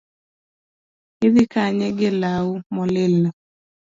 Idhi kanye gi law molil no